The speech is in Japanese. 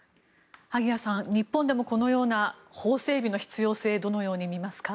萩谷さん、日本でもこのような法整備の必要性をどのように見ますか。